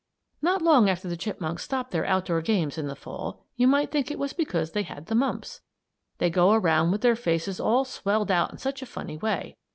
Not long after the chipmunks stop their outdoor games in the Fall you might think it was because they had the mumps; they go around with their faces all swelled out in such a funny way.